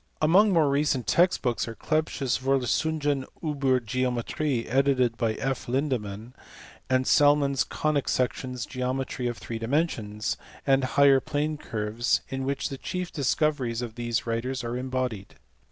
Among more recent text books are Clebsch s Vorlesuny // iiSer Geometric, edited by F. Lindemann ; and Salmon s Conic Sections, Geometry of Three Dimensions, and Higher Pln< Curves; in which the chief discoveries of these writers ait embodied.